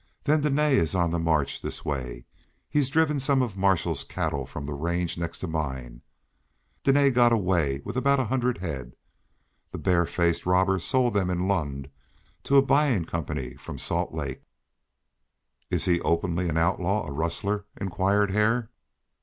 "Then Dene is on the march this way. He's driven some of Marshall's cattle from the range next to mine. Dene got away with about a hundred head. The barefaced robber sold them in Lund to a buying company from Salt Lake." "Is he openly an outlaw, a rustler?" inquired Hare.